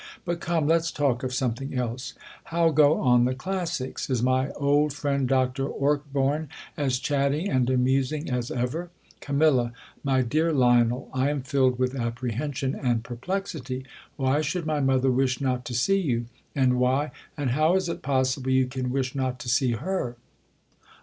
But come, let's talk of something else, liow go on the classics ? Is my old friend. Dr. Ork borne, as chatty and amusing as ever? Cam. My dear Lionel, I am filled with apprehen sion and perplexity. Why should my mother wish not to see you ? And why — and how is it possible you can wish not to see her